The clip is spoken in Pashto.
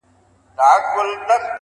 مور به مې له کور وتو په وخت وئيل